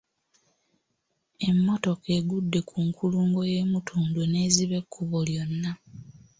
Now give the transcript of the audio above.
Emmotoka egudde ku nkulungo y'e Mutundwe n'eziba ekkubo lyonna.